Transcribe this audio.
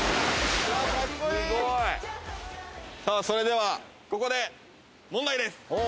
それでは、ここで問題です。